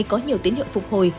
có nhiều tín hiệu phục hồi